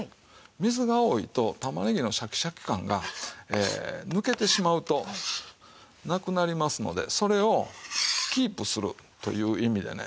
水が多いと玉ねぎのシャキシャキ感が抜けてしまうとなくなりますのでそれをキープするという意味でね